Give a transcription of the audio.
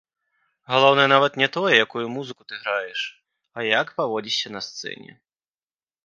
Галоўнае нават не тое, якую музыку ты граеш, а як паводзішся на сцэне.